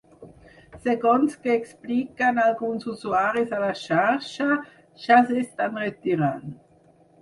Segons que expliquen alguns usuaris a la xarxa, ja s’estan retirant.